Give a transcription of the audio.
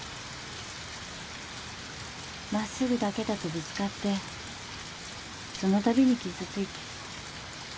まっすぐだけだとぶつかってそのたびに傷ついて。